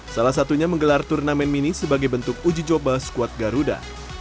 salah satunya menggelar turnamen mini sebagai bentuk uji coba skuad garuda